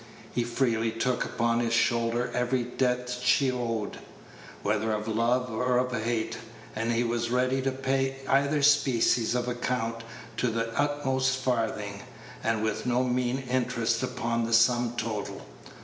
He freely took upon his shoulders every debt that she owed, whether of love or of hate; and he was ready to pay either species of account to the utmost farthing, and with no mean interest upon the sum total.